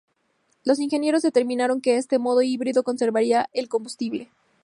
Los ingenieros determinaron que este modo híbrido conservaría el combustible.